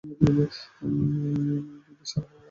বিবি সারাহও অনুরূপ আমল করেন।